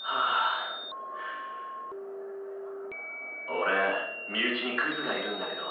俺身内にクズがいるんだけど。